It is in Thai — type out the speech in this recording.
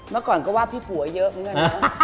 เมื่อก่อนก็ว่าพี่ผัวเยอะด้วยนะ